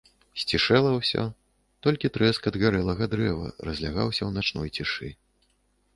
Сцішэла ўсё, толькі трэск ад гарэлага дрэва разлягаўся ў начной цішы.